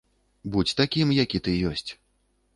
Будзь такім, які ты ёсць.